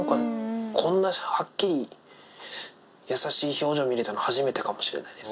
こんなはっきり優しい表情見れたの初めてかもしれないです。